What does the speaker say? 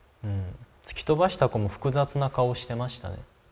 突き飛ばした子も複雑な顔をしてましたね